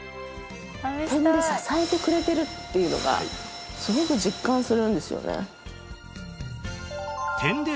点で支えてくれてるっていうのがすごく実感するんですよね。